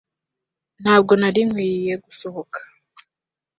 ntabwo nari nkwiye gusohoka